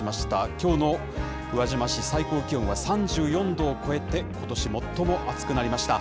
きょうの宇和島市、最高気温は３４度を超えて、ことし最も暑くなりました。